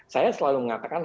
saya selalu mengatakan